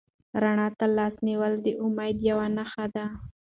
رڼا ته لاس نیول د امید یوه نښه ده.